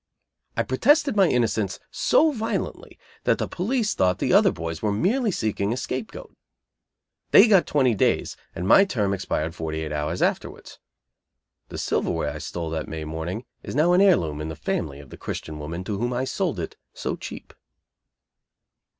I protested my innocence so violently that the police thought the other boys were merely seeking a scape goat. They got twenty days and my term expired forty eight hours afterwards. The silverware I stole that May morning is now an heirloom in the family of the Christian woman to whom I sold it so cheap.